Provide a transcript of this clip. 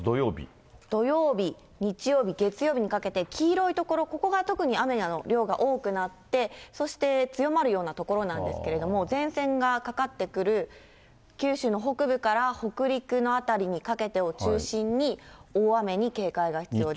土曜日、日曜日、月曜日にかけて、ここが特に雨の量が多くなって、そして強まるような所なんですけれども、前線がかかってくる九州の北部から北陸の辺りにかけてを中心に、大雨に警戒が必要です。